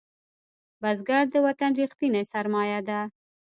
بزګر د وطن ریښتینی سرمایه ده